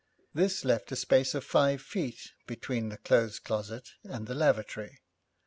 This left a space of five feet between the clothes closet and the lavatory.